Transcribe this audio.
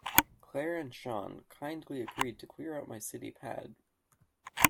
Claire and Sean kindly agreed to clear out my city pad.